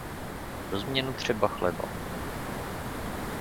Pro změnu třeba chleba.